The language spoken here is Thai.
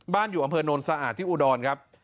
บ้านอยู่อำเภอนนท์สะอาดที่อุดรครับ